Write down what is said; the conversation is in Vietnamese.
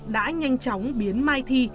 đã nhanh chóng biến mai thi